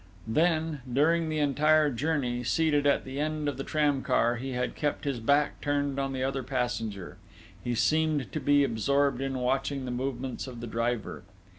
Then, during the entire journey, seated at the end of the tramcar he had kept his back turned on the other passenger: he seemed to be absorbed in watching the movements of the driver.